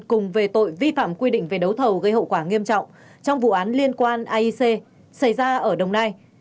cùng về tội vi phạm quy định về đấu thầu gây hậu quả nghiêm trọng trong vụ án liên quan aic xảy ra ở đồng nai